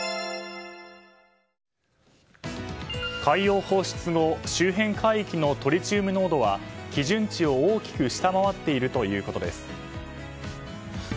海洋放出後周辺海域のトリチウム濃度は基準値を大きく下回っているということです。